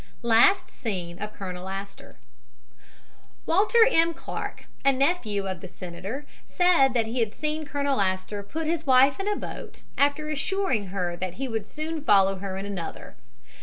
LAST SEEN OF COLONEL ASTOR Walter M. Clark, a nephew of the senator, said that he had seen Colonel Astor put his wife in a boat, after assuring her that he would soon follow her in another.